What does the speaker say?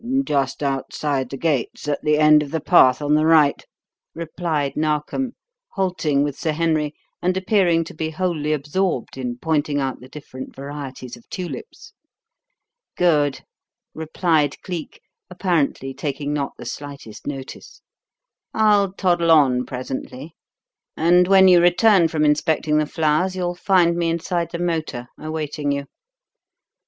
"Just outside the gates, at the end of the path on the right," replied Narkom, halting with Sir Henry and appearing to be wholly absorbed in pointing out the different varieties of tulips. "Good," replied Cleek, apparently taking not the slightest notice. "I'll toddle on presently, and when you return from inspecting the flowers you will find me inside the motor awaiting you."